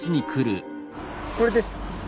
これです。